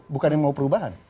bukan yang mau perubahan